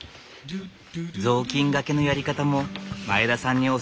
雑巾がけのやり方も前田さんに教わった。